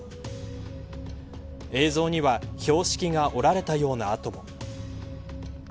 映像には標識が折られたような跡も。